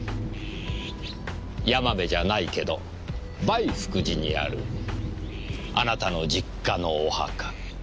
「山部じゃないけど梅福寺にあるあなたの実家のお墓」